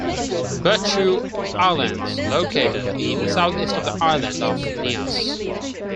Batu Islands located in the southeast of the island of Nias.